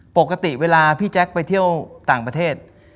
ปกติเวลาพี่แจ๊คไปเที่ยวต่างประเทศ